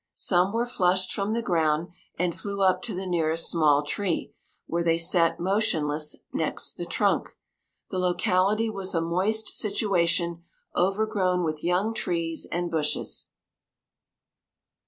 Some were flushed from the ground and flew up to the nearest small tree, where they sat motionless next the trunk. The locality was a moist situation, overgrown with young trees and bushes.